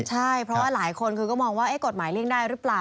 ใช่เพราะว่าหลายคนคือก็มองว่ากฎหมายเลี่ยงได้หรือเปล่า